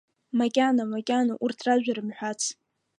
Макьана, макьана, урҭ ражәа рымҳәац…